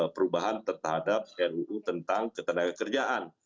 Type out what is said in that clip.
perubahan terhadap ruu tentang ketenagakerjaan